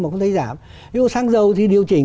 mà không thấy giảm ví dụ xăng dầu thì điều chỉnh